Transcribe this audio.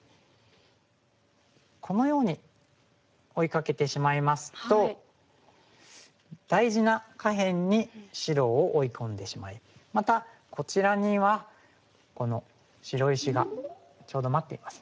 このように追いかけてしまいますと大事な下辺に白を追い込んでしまいまたこちらにはこの白石がちょうど待っていますね。